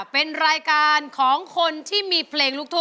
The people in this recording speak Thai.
เป็นรายการของคนที่มีเพลงลูกทุ่ง